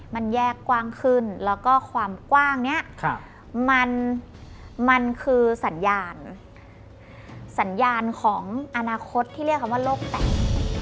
มันแยกกว้างขึ้นแล้วก็ความกว้างนี้มันคือสัญญาณสัญญาณของอนาคตที่เรียกคำว่าโลกแตก